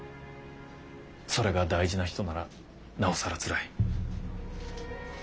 それが大事な人ならなおさらつらい。